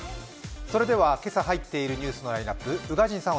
それでは今朝入っているニュースのラインナップ、宇賀神さん